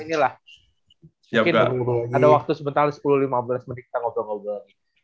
mungkin ada waktu sebentar lagi sepuluh lima belas mending kita ngobrol ngobrol